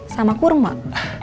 sama kurung pak